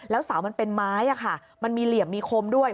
แล้วเสามันเป็นไม้มันมีเหลี่ยมมีคมด้วย